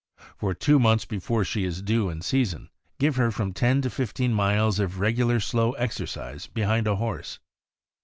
For two months before she is due in season, give her from ten to fifteen miles of regular, slow exercise behind a horse.